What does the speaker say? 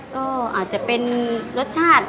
ก็อาจจะเป็นรสชาติ